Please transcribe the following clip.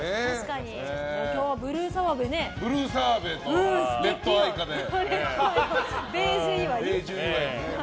今日はブルー澤部でね。